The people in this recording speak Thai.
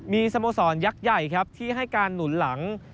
มีสโมสรยักษ์ใหญ่ครับที่ให้การหนุนหลัง